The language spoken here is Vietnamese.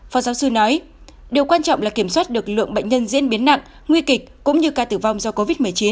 phó giáo sư nói điều quan trọng là kiểm soát được lượng bệnh nhân diễn biến nặng nguy kịch cũng như ca tử vong do covid một mươi chín